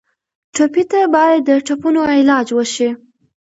ټپي ته باید د ټپونو علاج وشي.